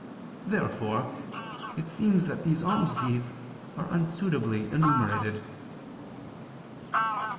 Therefore it seems that these almsdeeds are unsuitably enumerated.